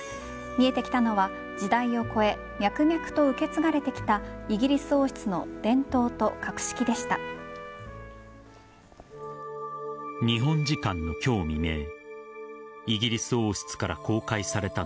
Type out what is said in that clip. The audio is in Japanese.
見えてきたのは、時代を超え脈々と受け継がれてきたイギリス王室の伝統と格式でした。